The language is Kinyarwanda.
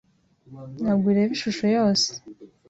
Ntabwo ureba ishusho yose.